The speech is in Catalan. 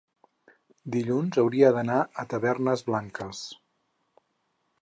Dilluns hauria d'anar a Tavernes Blanques.